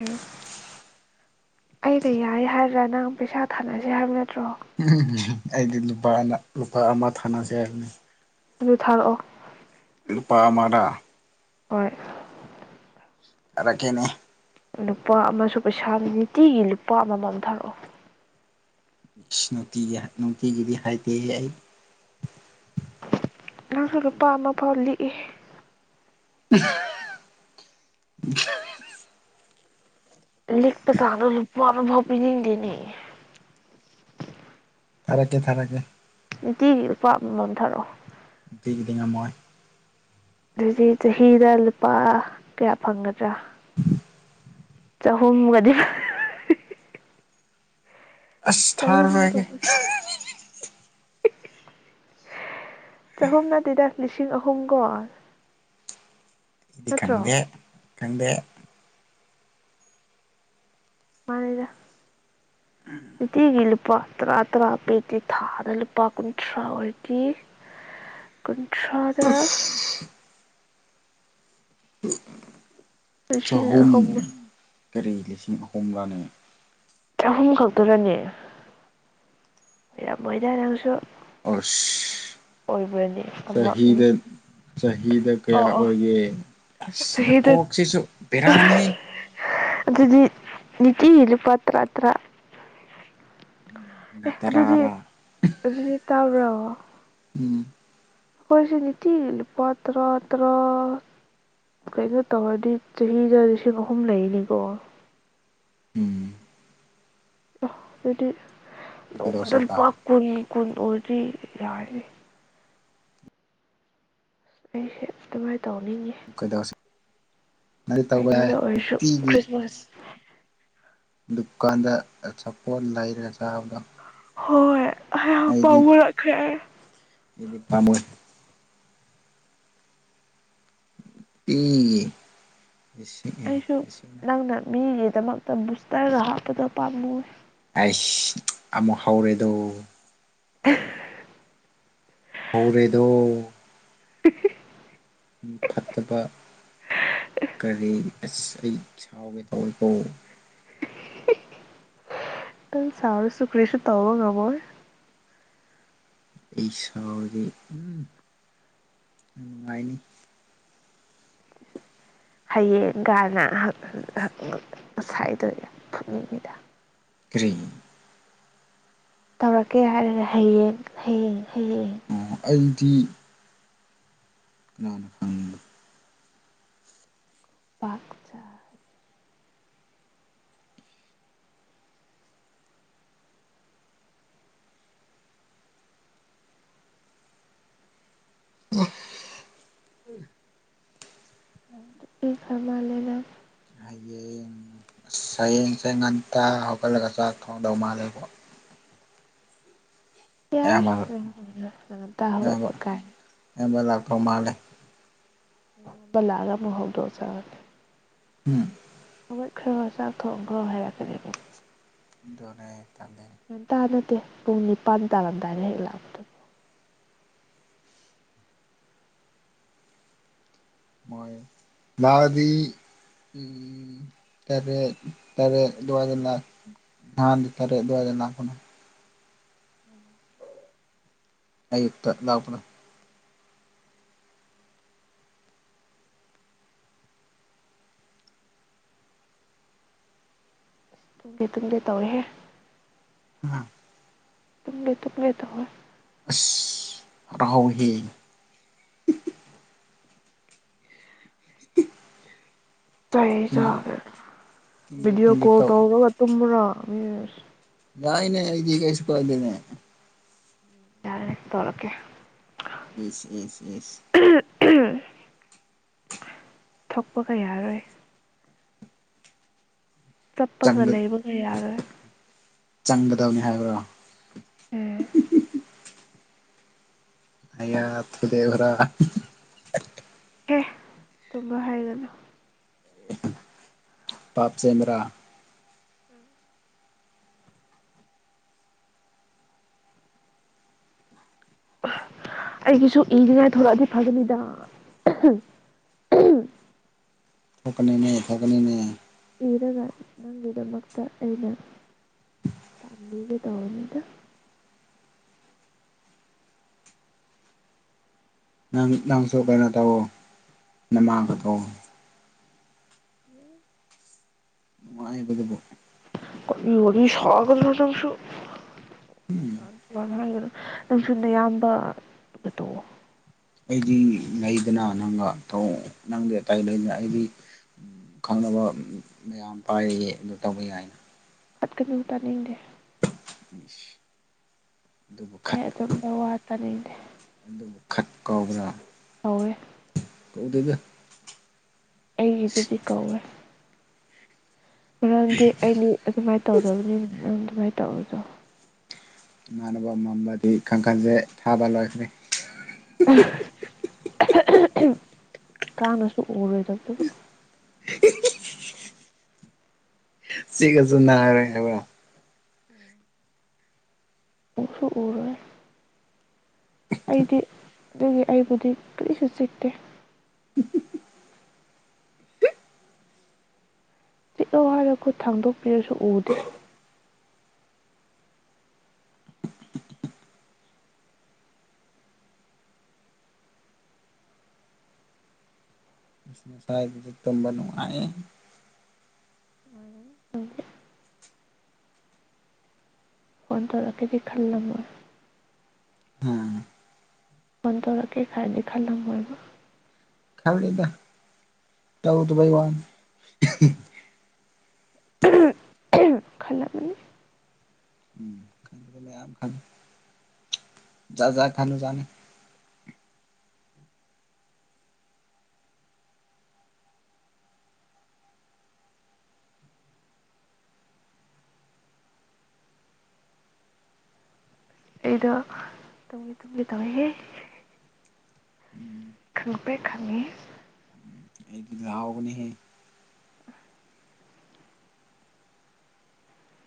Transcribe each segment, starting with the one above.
ꯎꯝ ꯑꯩꯩꯅ ꯌꯥꯏ ꯍꯥꯏꯗ꯭ꯔꯥ ꯅꯪ ꯄꯩꯁꯥ ꯊꯥꯅꯁ ꯍꯥꯏꯕ ꯅꯠꯇ꯭ꯔꯣ [unintelligible] ꯑꯩꯗꯤ ꯂꯨꯄꯥ ꯂꯨꯄꯥ ꯑꯃ ꯊꯥꯅꯁꯦ ꯍꯥꯏꯕꯅꯤ ꯑꯗꯨ ꯊꯥꯔꯛꯑꯣ ꯂꯨꯄꯥ ꯑꯃꯔꯥ ꯍꯣꯏ ꯈꯥꯔ ꯉꯦꯟꯅꯩ ꯂꯨꯄꯥ ꯑꯃꯁꯨ ꯄꯩꯁꯥ ꯅꯤꯇꯤꯒꯤ ꯂꯨꯄꯥ ꯑꯃꯃꯝ ꯊꯥꯔꯛꯑꯣ ꯅꯨꯡꯇꯤꯒꯤ ꯅꯨꯡꯇꯤꯒꯤꯗꯤ ꯍꯥꯏꯗꯦ ꯑꯩ ꯅꯪꯁꯦ ꯂꯨꯄꯥ ꯑꯃ ꯐꯥꯎ ꯂꯤꯛꯏꯍꯦ [unintelligible] [unintelligible] ꯂꯤꯛꯄꯁꯥꯅꯣ ꯂꯨꯄ ꯑꯃꯐꯥꯎ ꯄꯤꯅꯤꯡꯗꯦꯅꯤ ꯊꯥꯔꯛꯀꯦ ꯊꯥꯔꯛꯀꯦ ꯅꯨꯡꯇꯤꯒꯤ ꯂꯨꯄꯥ ꯑꯃꯃꯝꯊꯥꯔꯛꯑꯣ ꯅꯨꯡꯇꯤꯒꯤ ꯉꯝꯃꯣꯏ ꯑꯗꯨꯗꯤ ꯆꯍꯤꯗ ꯂꯨꯄꯥ ꯀꯌꯥ ꯐꯪꯒꯗ꯭ꯔꯥ ꯆꯍꯨꯝꯒꯗꯤ ꯆꯍꯨꯝ ꯑꯁꯊꯔꯔꯣꯏꯒꯦ [inaudible] ꯆꯍꯨꯝ ꯅꯠꯇꯦꯗ ꯂꯤꯁꯤꯡ ꯑꯍꯨꯝꯒꯣ ꯑꯩꯗꯤ ꯈꯪꯗꯦ [unintelligible] ꯃꯥꯅꯦꯗ ꯅꯨꯡꯇꯤꯒꯤ ꯂꯨꯞ ꯂꯨꯄꯥ ꯇꯔꯥ ꯇꯔꯥ ꯄꯤꯗꯤ ꯊꯥꯗ ꯂꯨꯄꯥ ꯀꯨꯟꯊ꯭ꯔꯥ ꯑꯣꯏꯗꯤ ꯑ ꯁꯥꯗ ꯎ ꯎꯝ ꯂꯤꯁꯤꯡ ꯑꯍꯨꯝ ꯀꯔꯤ ꯂꯤꯁꯤꯡ ꯑꯍꯨꯝꯂꯥꯅꯦ ꯆꯍꯨꯝ ꯈꯛꯇꯔꯅꯦ ꯍꯩꯔꯝ ꯃꯣꯏꯗ ꯅꯪꯁꯨ ꯑꯁ ꯑꯣꯏꯕ꯭ꯔꯅꯦ ꯑꯃ ꯑꯅꯤ ꯆꯍꯤꯗ ꯆꯍꯤꯗ ꯀꯌꯥ ꯑꯣ ꯑꯣ ꯑꯣꯏꯒꯦ ꯑꯁ ꯅ ꯆꯍꯤꯗ ꯀꯣꯛꯁꯤꯁꯨ ꯕꯦꯔꯥꯅꯤꯍꯦ ꯑꯗꯨꯗꯤ ꯅꯤꯇꯤ ꯂꯨꯄꯥ ꯇꯔꯥ ꯇꯔꯥ꯫ ꯑꯦ ꯑꯗꯨꯗꯤ ꯇꯔꯥꯔꯥ ꯑꯗꯨꯗꯤ ꯇꯥꯕꯔꯑꯣ ꯎꯝ ꯑꯩꯈꯣꯏꯁꯦ ꯅꯤꯇꯤꯒꯤ ꯂꯨꯄꯥ ꯇꯔꯥ ꯇꯔꯥ ꯀꯩꯅꯣ ꯇꯧꯔꯗꯤ ꯆꯍꯤꯗ ꯂꯤꯁꯤꯡ ꯑꯍꯨꯝ ꯂꯩꯅꯤꯀꯣ ꯎꯝ ꯑ ꯑꯗꯨꯗꯤ ꯅꯣꯡꯃꯗ ꯀꯩꯗꯧꯁꯦꯕ ꯂꯨꯄꯥ ꯀꯨꯟ ꯀꯨꯟ ꯂꯣꯏꯗ꯭ꯔꯤ ꯌꯥꯔꯤ ꯑꯩꯁꯨ ꯑꯗꯨꯃꯥꯏ ꯇꯧꯅꯤꯡꯉꯦ ꯀꯩꯗꯧꯁꯦ ꯅꯪꯗꯤ ꯇꯧꯕ ꯌꯥꯏ ꯀꯩꯅꯣꯗ ꯑꯣꯏꯔꯁꯨ ꯅꯨꯡꯇꯤꯒꯤ ꯈ꯭ꯔꯤꯁꯃꯥꯁ ꯗꯨꯀꯥꯟꯗ ꯑꯆꯥꯄꯣꯠ ꯂꯩꯔꯒ ꯆꯥꯕꯗꯣ ꯍꯣꯏ꯫ ꯍ ꯑꯩꯗꯤ ꯄꯥꯝꯃꯨꯔꯛꯈ꯭ꯔꯦ ꯑꯩꯗꯤ ꯄꯥꯝꯃꯨꯏ [unintelligible] ꯑꯦ ꯑꯩꯁꯨ ꯂꯤꯁꯤꯡ ꯅꯠꯇꯦ ꯅꯪꯅ ꯃꯤꯒꯤ ꯇꯃꯛꯇ ꯕꯨꯁꯇꯔ ꯍꯥꯞꯄꯗꯣ ꯄꯥꯝꯃꯨꯑꯦ꯫ ꯑꯩꯁ ꯑꯃꯨꯛ ꯍꯧꯔꯦꯗꯣ ꯑꯪ ꯍꯧꯔꯦꯗꯣ [unintelligible] ꯐꯠꯇꯕ ꯀꯔꯤ ꯑꯁ ꯑꯩ ꯁꯥꯎꯒꯦ ꯇꯧꯑꯦꯀꯣ ꯍꯤꯍꯤ ꯅꯪ ꯁꯥꯎꯔꯁꯨ ꯀꯔꯤꯁꯨ ꯇꯧꯕ ꯉꯝꯃꯣꯏ꯫ ꯑꯩ ꯁꯥꯎꯔꯤ ꯎꯝ ꯅꯨꯡꯉꯥꯏꯅꯤ ꯍꯌꯦꯡꯒꯅ ꯍꯍ ꯁꯥꯏꯗꯣꯏꯗꯣ ꯐꯨꯠꯅꯤꯡꯉꯤꯗ ꯀ꯭ꯔꯤ ꯇꯧꯔꯛꯀꯦ ꯍꯥꯏꯔꯒ ꯍꯌꯦꯡ ꯍꯌꯦꯡ ꯍꯌꯦꯡ ꯑꯣ ꯍꯥꯏꯗ ꯀꯅꯅ ꯐꯪꯏꯕ ꯄꯥꯛꯆ [unintelligible] [unintelligible] ꯍꯌꯦꯡ ꯑꯁ ꯍꯌꯦꯡꯁꯦ ꯉꯟꯇꯥ ꯍꯧꯒꯠꯂꯒ ꯆꯥꯛ ꯊꯣꯡꯗꯧ ꯃꯥꯜꯂꯦꯕꯣ ꯑꯌꯥꯝꯕ ꯇꯥꯏ ꯇꯥꯕꯔꯥ ꯀꯥꯏꯅ ꯊꯦꯡꯅ ꯂꯥꯛꯇꯧ ꯃꯥꯜꯂꯦ ꯃꯣꯏꯃꯌꯥꯝꯗꯣ ꯂꯥꯛꯑꯒ ꯑꯃꯨꯛ ꯍꯧꯗꯣꯛꯑ ꯖꯥꯠꯂ ꯎꯝ ꯍꯧꯒꯠꯈ꯭ꯔ ꯆꯥꯛ ꯊꯣꯡ ꯈ꯭ꯔꯣ ꯍꯥꯏꯔꯛꯀꯅꯤ ꯑꯗꯨꯅꯦ ꯇꯟ ꯉꯟꯇꯥ ꯅꯠꯇꯦ ꯄꯨꯡ ꯅꯤꯄꯥꯟ ꯇꯥꯔꯝꯗꯥꯏꯗ ꯍꯦꯛ ꯂꯥꯛꯎ ꯃꯣꯏ ꯂꯥꯛꯑꯗꯤ ꯑꯝ ꯇꯔꯦꯠ ꯇꯔꯦꯠ ꯑꯗꯥꯏꯗ ꯅꯍꯥꯟꯗꯤ ꯇꯔꯦꯠ ꯑꯗ꯭ꯋꯥꯏꯗ ꯂꯥꯛꯄꯅꯤ ꯑꯌꯨꯛꯇ ꯂꯥꯛꯄꯅꯦ ꯇꯨꯝꯒꯦ ꯇꯨꯝꯒꯦ ꯇꯧꯔꯦꯍꯦ [unintelligible] ꯇꯨꯝꯒꯦ ꯇꯨꯝꯒꯦ ꯇꯧꯋꯦ ꯏꯁ ꯐꯅꯥ ꯍꯥꯎꯋꯦꯍꯦ ꯆꯥꯏꯌꯦ ꯇꯨꯝꯒꯦ ꯚꯤꯗꯤꯌꯣ ꯇꯨꯝꯒꯦ ꯀꯣꯜ ꯇꯧ ꯇꯧꯔꯒ ꯇꯨꯝꯃꯨꯔꯣ ꯎꯝ ꯌꯥꯏꯅꯦ ꯑꯩꯗꯤ ꯀꯩꯁꯨ ꯀꯥꯏꯗꯦꯅꯦ ꯌꯥꯔꯦ ꯇꯧꯔꯛꯀꯦ ꯏꯁ ꯏꯁ ꯏꯁ [unintelligible] ꯊꯣꯛꯄꯒ ꯌꯥꯔꯣꯏ ꯆꯞꯄꯒ ꯂꯩꯕꯒ ꯌꯥꯔꯣꯏ ꯆꯪꯒꯗꯕꯅꯦ ꯍꯥꯏꯕ꯭ꯔꯣ ꯎꯝ ꯅꯌꯥ ꯊꯧꯗꯦꯛꯑꯨꯔ ꯍꯦ ꯗꯨꯃꯥꯏ ꯍꯥꯏꯒꯅꯨ ꯄꯥꯞ ꯆꯦꯟꯕ꯭ꯔꯥ ꯑꯩꯒꯤꯁꯨ ꯏꯟꯗꯤꯌꯥ ꯊꯣꯂꯛ ꯑꯗꯤ ꯐꯒꯅꯤꯗ ꯊꯣꯛꯀꯅꯤꯅꯦ ꯊꯥꯛꯀꯅꯤꯅꯦ ꯄꯤꯔꯒ ꯅꯪꯒꯤꯗꯃꯛꯇ ꯑꯩꯅ ꯇꯥꯟꯕꯤꯒꯦ ꯇꯧꯕꯅꯤꯗ ꯅꯪ ꯅꯪꯁꯨ ꯀꯩꯅꯣ ꯇꯧꯋꯣ ꯅꯃꯥꯡꯒ ꯇꯧ [unintelligible] ꯅꯨꯡꯉꯥꯏꯕꯗꯨꯕꯨ ꯇꯧꯒꯅꯨ ꯅꯪꯁꯨ ꯎꯝ [unintelligible] ꯅꯪꯁꯨ ꯅꯌꯥꯝꯕ ꯗ ꯇꯧꯑꯣ ꯑꯩꯗꯤ ꯂꯩꯗꯅ ꯅꯪꯒ ꯅꯪꯗꯤ ꯑꯇꯩ ꯂꯩꯗꯅ ꯑꯩꯗꯤ ꯈꯪꯅꯕ ꯃꯌꯥꯝ ꯄꯥꯏꯑꯦ ꯑꯗꯨ ꯇꯧꯕ ꯌꯥꯏꯅ ꯈꯠꯀꯅꯨ ꯇꯥꯅꯤꯡꯗꯦ ꯏꯁ ꯑꯩ ꯑꯗꯨꯒꯨꯝꯕ ꯋꯥ ꯇꯥꯅꯤꯡꯗꯦ ꯈꯠꯄ ꯍꯧꯒꯦꯔ ꯀꯧꯋꯦ ꯀꯧꯗꯧꯒꯦ ꯑꯩ ꯑꯗꯨꯗꯤ ꯀꯧꯋꯦ ꯃꯔꯝꯗꯤ ꯑꯩꯗꯤ ꯑꯗꯨꯃꯥꯏꯅ ꯇꯧꯗꯕꯅꯤꯅ ꯁꯨꯃꯥꯏ ꯇꯧꯕꯗꯣ ꯏꯃꯥꯟꯅꯕ ꯑꯃꯝꯕꯗꯤ ꯀꯥꯡꯈꯜꯁꯦ ꯊꯥꯕ ꯂꯣꯏꯈ꯭ꯔꯦ [unintelligible] [inaudible] ꯀꯥꯡꯅꯁꯨ ꯎꯔꯣꯏꯗꯕꯗꯨꯕꯨ [unintelligible] ꯆꯤꯛꯑꯁꯨ ꯅꯔꯦ ꯍꯥꯏꯕ ꯎꯁꯨ ꯎꯔꯣꯏ ꯑꯩꯗꯤ ꯑꯗꯨꯒꯤ ꯑꯩꯕꯨꯗꯤ ꯀꯔꯤꯁꯨ ꯆꯤꯛꯇꯦ ꯆꯤꯛꯑꯣ ꯍꯥꯏꯔꯒ ꯈꯨꯠ ꯊꯥꯡꯗꯣꯛꯄꯤꯔꯁꯨ ꯎꯗꯦ ꯉꯁꯥꯢꯗꯨ ꯇꯨꯝꯕ ꯅꯨꯡꯉꯥꯢꯌꯦ ꯐꯣꯟ ꯇꯧꯔꯛꯀꯦꯗꯤ ꯈꯂꯝꯃꯣꯏ ꯎꯝ ꯐꯣꯟ ꯇꯔꯛꯀꯦ ꯀꯥꯏꯗꯤ ꯈꯜꯂꯝꯃꯣꯢꯕ ꯈꯜꯂꯤꯗ ꯇꯧꯗꯕꯩ ꯋꯥꯅꯤ ꯈꯜꯂꯝꯃꯅꯤ ꯎꯝ ꯈꯜꯂꯤ ꯃꯌꯥꯝ ꯈꯜꯂꯤ ꯖꯥꯠ ꯖꯥꯠ ꯈꯟꯕꯖꯥꯠꯅꯤ ꯑꯩꯗ ꯇꯨꯝꯒꯦ ꯇꯨꯝꯒꯦ ꯇꯧꯌꯦꯍꯦ ꯎꯝ ꯈꯪꯄ꯭ꯔꯦꯛ ꯈꯪꯢ ꯀꯥꯎꯒꯅꯤꯍꯦ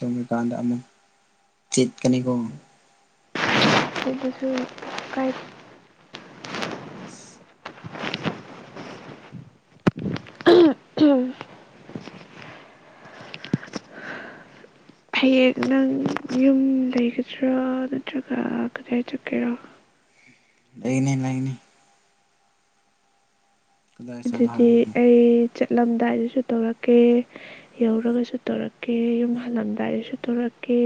ꯇꯨꯝꯃꯀꯥꯟꯗ ꯑꯃꯨꯛ ꯆꯤꯠꯀꯅꯤꯀꯣ ꯑꯗꯨꯁꯨ ꯀꯥꯏꯗꯦ ꯍꯌꯦꯡ ꯅꯪ ꯌꯨꯝ ꯂꯩꯒꯗ꯭ꯔꯥ ꯅꯠꯇ꯭ꯔꯒ ꯀꯗꯥꯏ ꯆꯠꯀꯦꯔꯥ ꯂꯩꯅꯤ ꯂꯩꯅꯤ ꯀꯗꯥꯏ ꯆꯠꯂꯣ ꯑꯗꯨꯗꯤ ꯍꯥꯏꯕꯅꯣ ꯑꯩ ꯆꯠꯂꯝꯗꯥꯏꯗꯁꯨ ꯇꯧꯔꯛꯀꯦ ꯌꯧꯔꯒꯁꯨ ꯇꯧꯔꯛꯀꯦ ꯌꯨꯝ ꯍꯜꯂꯝꯗꯥꯏꯗꯁꯨ ꯇꯧꯔꯛꯀꯦ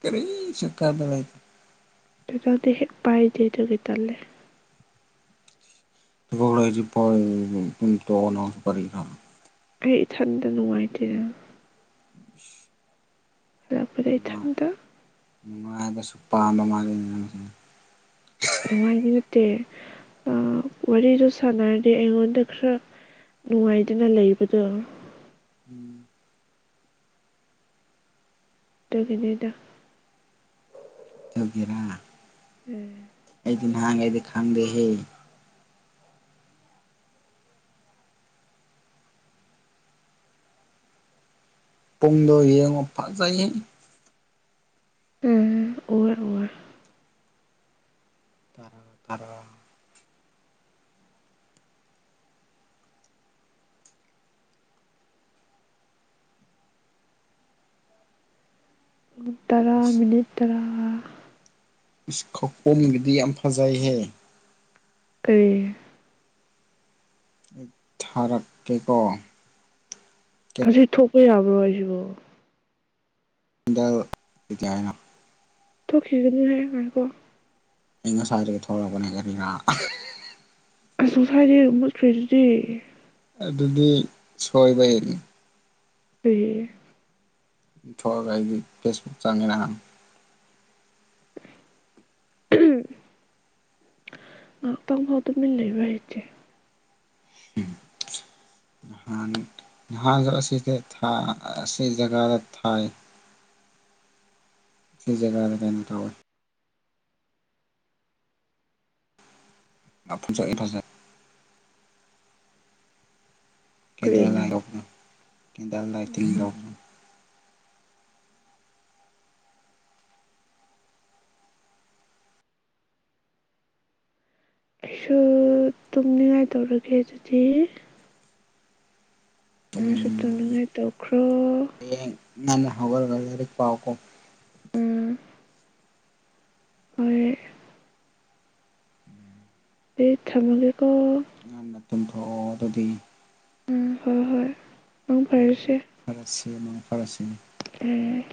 ꯀꯔꯤꯁꯨ ꯀꯥꯟꯅꯔꯣꯏ ꯗꯗꯥꯗꯤ ꯍꯦꯛ ꯄꯥꯏꯗꯦ ꯑꯗꯨꯒꯤ ꯇꯜꯂꯦ ꯇꯣꯅ [unintelligible] ꯑꯩ ꯏꯊꯟꯗ ꯅꯨꯡꯉꯥꯏꯇꯦ ꯍꯜꯂꯛꯄꯗ ꯏꯊꯟꯇ ꯅꯨꯡꯉꯥꯏꯕꯁꯨ ꯄꯥꯝꯕ ꯃꯥꯂꯦꯅꯦ ꯅꯪꯁꯦ ꯅꯨꯡꯉꯥꯏꯕ ꯅꯠꯇꯦ ꯋꯥꯔꯤꯗꯣ ꯁꯥꯟꯅꯔꯗꯤ ꯑꯩꯉꯣꯟꯗ ꯈꯔ ꯅꯨꯡꯉꯥꯏꯗꯅ ꯂꯩꯕꯗꯣ ꯑꯗꯨꯒꯤꯅꯤꯗ ꯎꯝ ꯅꯍꯥꯟꯒꯩꯗꯤ ꯈꯪꯗꯦ ꯍꯦ ꯄꯨꯡꯗꯣ ꯌꯦꯡꯉꯣ ꯐꯖꯩꯌꯦ ꯎꯝ ꯎꯔꯦ ꯎꯔꯦ ꯇꯔꯥ ꯇꯔꯥ ꯇꯔꯥ ꯃꯤꯅꯤꯠ ꯇꯔꯥ ꯏꯁ ꯈꯄꯣꯝꯒꯤꯗꯤ ꯌꯥꯝ ꯐꯖꯩꯍꯦ ꯀꯔꯤ ꯊꯥꯔꯛꯀꯦꯀꯣ ꯈꯥꯁꯤ ꯊꯣꯛꯄ ꯌꯥꯕ꯭ꯔꯣ ꯑꯩꯁꯤꯕꯨ [unintelligible] ꯊꯣꯛꯈꯤꯒꯅꯤ ꯍꯥꯏꯌꯦ ꯉꯥꯏꯈꯣ ꯑꯩ ꯉꯁꯥꯏꯗꯩ ꯊꯣꯛꯂꯛꯄꯅꯤ ꯂꯦꯞꯄꯤꯅ ꯑꯁꯨꯁꯥꯏꯗꯤ ꯃꯨꯠꯈꯔꯤꯗꯨꯗꯤ ꯑꯗꯨꯗꯤ ꯁꯣꯏꯕ ꯅꯤ [unintelligible] ꯊꯣꯛꯒ ꯑꯗꯤ ꯐꯦꯁꯕꯨꯛ ꯆꯪꯉꯦꯅ ꯉꯥꯛꯇꯪ ꯐꯥꯎꯕ ꯇꯨꯃꯤꯟ ꯂꯩꯕ ꯍꯩꯇꯦ ꯉꯍꯥꯟꯁꯨ ꯑꯁꯤꯗ ꯊꯥ ꯑꯁꯤ ꯖꯒꯥꯗ ꯊꯥꯏ ꯁ ꯖꯒꯥꯗ ꯀꯩꯅꯣꯡ ꯇꯧꯌꯦ ꯃꯈꯥꯖꯥꯏ ꯗꯨꯗ ꯀꯦꯟꯗꯦꯜ ꯀꯔꯤꯅꯣ ꯂꯥꯏ ꯂꯒꯅ ꯀꯦꯟꯗꯦꯜ ꯂꯥꯏꯇꯤꯡ ꯊꯧꯕꯗꯨ ꯑꯩꯁꯨ ꯇꯨꯝꯅꯤꯡꯉꯥꯏ ꯇꯧꯔꯒꯦ ꯑꯗꯨꯗꯤ ꯇꯨꯝ ꯅꯪꯁꯨ ꯇꯨꯝꯅꯤꯡꯉꯥꯏ ꯇꯧꯈ꯭ꯔꯣ ꯉꯟꯅ ꯍꯧꯔꯒ ꯂꯥꯔꯤꯛ ꯄꯥꯎꯀꯣ ꯎꯝ ꯍꯣꯏ ꯑꯩ ꯊꯝꯃꯒꯦ [unintelligible] ꯇꯨꯝꯊꯣꯛꯑꯣ ꯑꯗꯨꯗꯤ ꯎꯝ ꯍꯣꯏ ꯍꯣꯏ ꯃꯪ ꯎꯝ ꯐꯔꯁꯦ ꯐꯔꯁꯦ ꯃꯪ ꯐꯔꯁꯦ ꯎꯝ